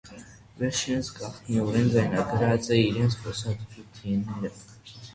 Վերջինս գաղտնիօրէն ձայնագրած է իրենց խօսակցութիւնները։